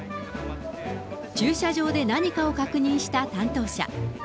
駐車場で何かを確認した担当者。